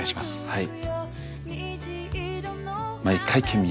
はい。